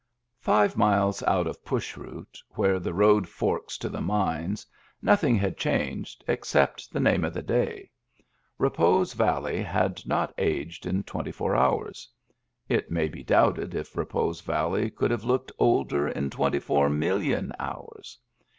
Five miles out of Push Root, where the road forks to the mines, nothing had changed, except the name of the day. Repose Valley had not aged in twenty four hours ; it may be doubted if Repose Valley could have looked older in twenty four million hours.